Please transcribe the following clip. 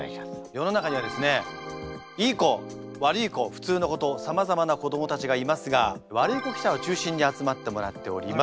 世の中にはですねいい子悪い子普通の子とさまざまな子どもたちがいますがワルイコ記者を中心に集まってもらっております。